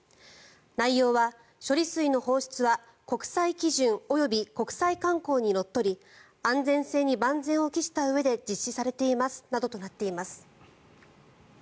内容は、処理水の放出は国際基準及び国際慣行にのっとり安全性に万全を期したうえで実施されていますなどとなっています。